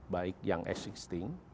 baik yang existing